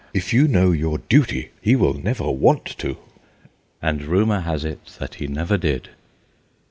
"if you know your duty, he will never want to." And rumour has it that he never did.